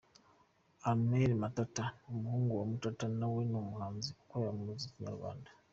Armel Matata, umuhungu wa Matata na we ni umuhanzi ukorera umuziki mu Rwanda.